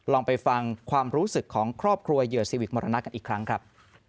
ลองไปฟังความรู้สึกของครอบครัวเหยื่อซีวิกมรณะกันอีกครั้งครับ